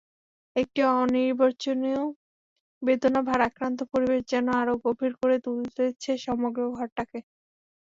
একটা অনির্বচনীয় বেদনা-ভারাক্রান্ত পরিবেশ যেন আরো গভীর করে তুলেছে সমগ্র ঘরটাকে।